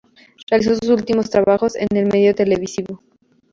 Realizó sus últimos trabajos en el medio televisivo.